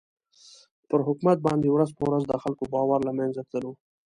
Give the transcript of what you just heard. پر حکومت باندې ورځ په ورځ د خلکو باور له مېنځه تللو.